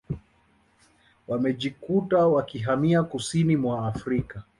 wamejikuta wakihamia kusini mwa Afrika